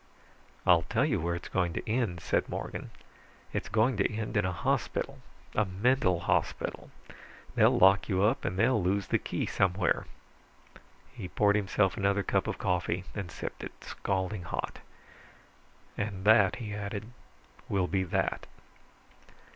"I'll tell you where it's going to end," said Morgan. "It's going to end in a hospital. A mental hospital. They'll lock you up and they'll lose the key somewhere." He poured himself another cup of coffee and sipped it, scalding hot. "And that," he added, "will be that."